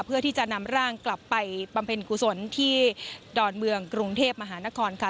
เพื่อที่จะนำร่างกลับไปบำเพ็ญกุศลที่ดอนเมืองกรุงเทพมหานครค่ะ